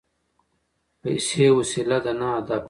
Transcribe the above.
پیسې وسیله ده نه هدف.